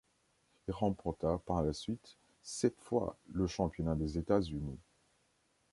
Il remporta par la suite sept fois le championnat des États-Unis.